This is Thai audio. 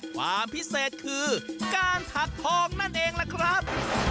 ความพิเศษคือการถักทองนั่นเองล่ะครับ